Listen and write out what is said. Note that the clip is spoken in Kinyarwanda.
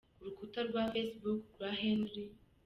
Ku rukuta rwa Facebook rwa Henri.